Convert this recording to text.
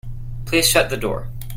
Please shut the door.